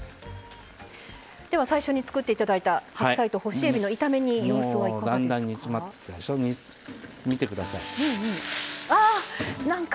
最初に作っていただいた白菜と干しえびの炒め煮様子はいかがですか。